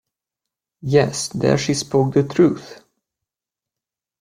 Yes, there she spoke the truth.